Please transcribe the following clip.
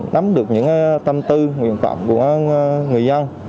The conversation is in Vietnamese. nắm được những tâm tư nguyện vọng của người dân